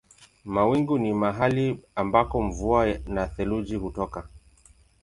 Mawingu ni mahali ambako mvua na theluji hutoka.